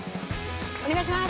お願いします！